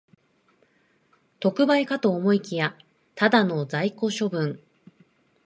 特売かと思いきや、ただの在庫処分